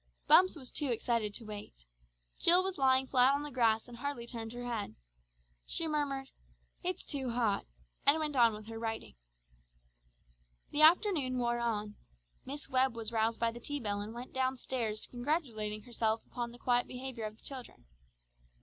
Bumps was too excited to wait. Jill was lying flat on the grass and hardly turned her head. She murmured, "It's too hot," and went on with her writing. The afternoon wore on. Miss Webb was roused by the tea bell and went down stairs congratulating herself upon the quiet behaviour of the children.